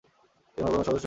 এই মহকুমার সদর শহর মিরিক।